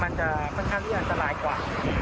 มันค่ะเวียนอันตรายกว่า